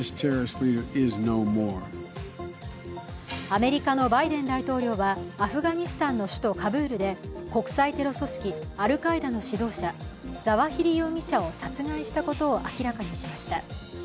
アメリカのバイデン大統領はアフガニスタンの首都カブールで国際テロ組織アルカイダの指導者、ザワヒリ容疑者を殺害したことを明らかにしました。